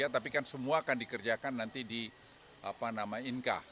tapi kan semua akan dikerjakan nanti di inka